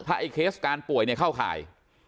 ไอ้เคสการป่วยเนี่ยเข้าข่าย